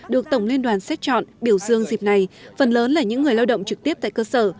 được tổng liên đoàn xét chọn biểu dương dịp này phần lớn là những người lao động trực tiếp tại cơ sở